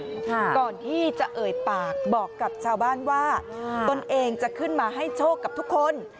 ก่อนที่จะเอ่ยปากบอกกับชาวบ้านว่าตนเองจะขึ้นมาให้โชคกับทุกคน